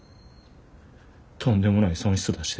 とんでもない損失出して。